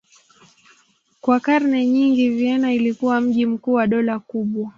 Kwa karne nyingi Vienna ilikuwa mji mkuu wa dola kubwa.